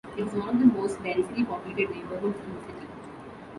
It is one of the most densely populated neighbourhoods in the city.